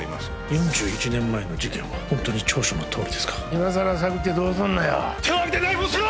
４１年前の事件はホントに調書のとおりですか今さら探ってどうすんのよ手をあげてナイフを捨てろ！